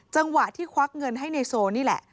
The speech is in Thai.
จังหวะที่ควักเงินให้ในโซนี่แหละ